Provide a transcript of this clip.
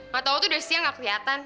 matau tuh udah siang gak keliatan